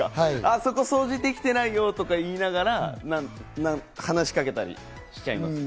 そこ掃除できてないよとか言いながら話しかけたりしちゃいますね。